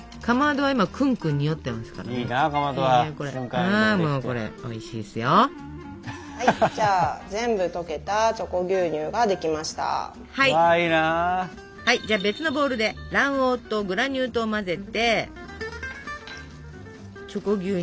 はいじゃあ別のボウルで卵黄とグラニュー糖を混ぜてチョコ牛乳